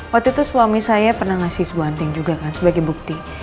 waktu itu suami saya pernah ngasih sebuah anting juga kan sebagai bukti